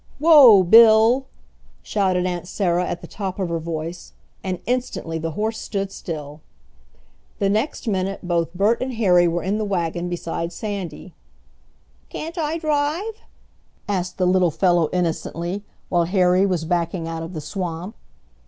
"Whoa, Bill!" shouted Aunt Sarah at the top of her voice, and instantly the horse stood still. The next minute both Bert and Harry were in the wagon beside Sandy. "Can't I drive?" asked the little fellow innocently, while Harry was backing out of the swamp.